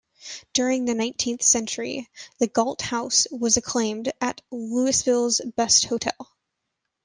During the nineteenth century, The Galt House was acclaimed as Louisville's best hotel.